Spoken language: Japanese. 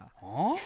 ああ？